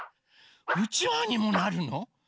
うちわにもなるの？